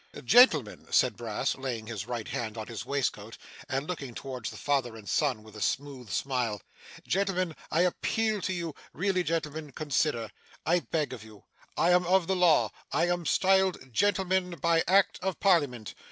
'Gentlemen,' said Brass, laying his right hand on his waistcoat, and looking towards the father and son with a smooth smile 'Gentlemen, I appeal to you really, gentlemen consider, I beg of you. I am of the law. I am styled "gentleman" by Act of Parliament.